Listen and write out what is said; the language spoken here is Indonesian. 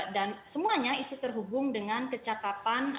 dan semuanya itu terhubung dengan kecakapan